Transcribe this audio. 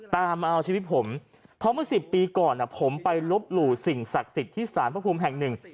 ตามมาเอาชีวิตผมเพราะเมื่อ๑๐ปีก่อนผมไปลบหลู่สิ่งศักดิ์สิทธิ์ที่สารพระภูมิแห่งหนึ่ง